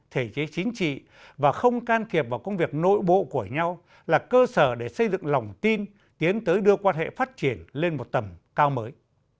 thể chế chính trị và không can thiệp vào công việc nội bộ của nhau là cơ sở để xây dựng lòng tin tiến tới đưa quan hệ phát triển lên một tầm cao mới